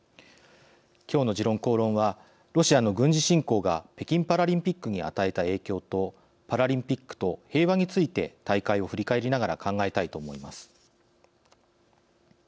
きょうの「時論公論」はロシアの軍事侵攻が北京パラリンピックに与えた影響とパラリンピックと平和について大会を振り返りながら考えたいと思います。